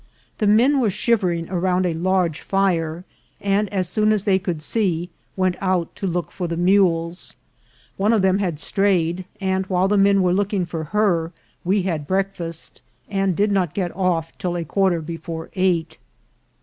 The men were shivering around a large fire, and, as soon as they could see, went out to look for the mules. One of them had strayed ; and while the men were looking for her, we had breakfast, and did not get off till a quarter before eight.